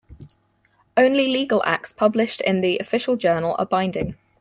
Only legal acts published in the Official Journal are binding.